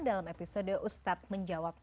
dalam episode ustadz menjawab